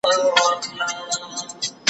پېړۍ وړاندي له وطن د جادوګرو